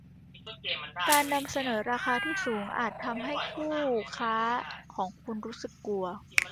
การนำเสนอราคาที่สูงอาจทำให้คู่ค้าของคุณรู้สึกกลัว